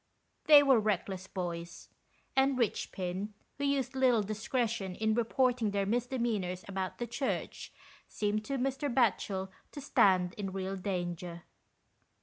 They were reckless boys, and Richpin, who used little discretion in reporting their misdemeanours about the church, seemed to Mr. Satchel to stand in real danger.